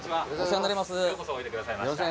ようこそおいでくださいました